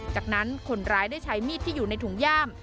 จากนั้นคนร้ายได้ใช้มีดที่อยู่ในถุงย่าม